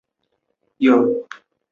字孝公。